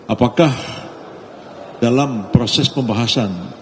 apakah dalam proses pembahasan